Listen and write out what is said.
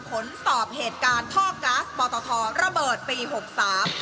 ผลสอบเหตุการณ์ท่อก๊าซปอตทระเบิดปีหกสาม